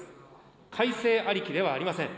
改正ありきではありません。